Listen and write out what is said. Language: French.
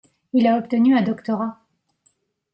Il a obtenu un doctorat.